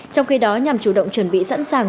trong khi đó nhằm chủ động chuẩn bị sẵn sàng